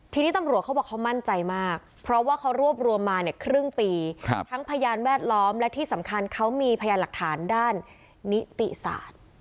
ทีนี้ตำรวจเขาบอกเขามั่นใจมากเพราะว่าเขารวบรวมมาเนี่ยครึ่งปีทั้งพยานแวดล้อมและที่สำคัญเขามีพยานหลักฐานด้านนิติศาสตร์